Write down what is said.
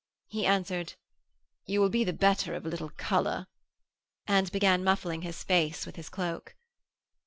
He answered, 'You will be the better of a little colour,' and began muffling his face with his cloak.